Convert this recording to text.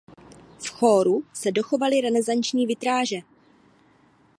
V chóru se dochovaly renesanční vitráže.